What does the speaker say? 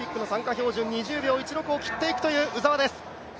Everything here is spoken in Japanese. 標準２０秒１６を切っていくという鵜澤です。